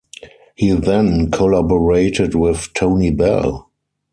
He then collaborated with Tony Bell.